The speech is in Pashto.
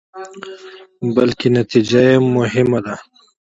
بلکې نتيجه يې هم مهمه ده.